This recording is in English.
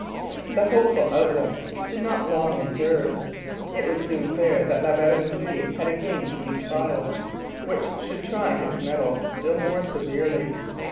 The hopeful outlook did not long endure. It was soon clear that La Vérendrye had again to meet trials which should try his mettle still more severely.